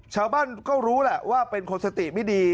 ชาวบ้านก็รู้แหละว่าเป็นคนสติไม่ดี